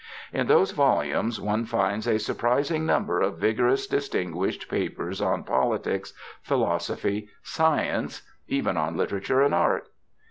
In those volumes one finds a surprising number of vigorous, distinguished papers on politics, philosophy, science, even on literature and art.